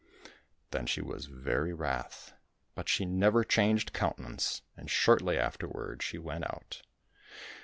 Then she was very wrath. But she never changed countenance, and shortly afterward she went out.